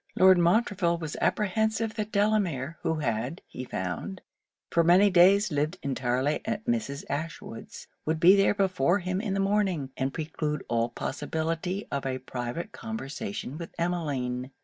Lord Montreville was apprehensive that Delamere, who had, he found, for many days lived entirely at Mrs. Ashwood's, would be there before him in the morning, and preclude all possibility of a private conversation with Emmeline.